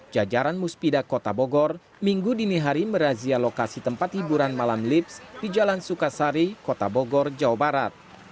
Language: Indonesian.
jajaran muspida kota bogor minggu dini hari merazia lokasi tempat hiburan malam lips di jalan sukasari kota bogor jawa barat